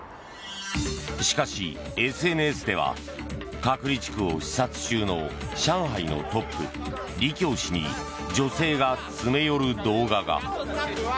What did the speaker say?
しかしＳＮＳでは隔離地区を視察中の上海のトップ、リ・キョウ氏に女性が詰め寄る動画が。